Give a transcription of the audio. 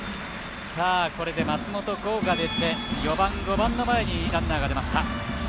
これで松本剛が出て４番、５番の前にランナーが出ました。